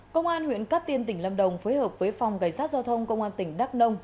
công an huyện cát tiên tỉnh lâm đồng phối hợp với phòng cảnh sát giao thông công an tỉnh đắk nông